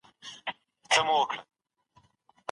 د روغتيا ښه عادتونه تل دوام ورکړئ.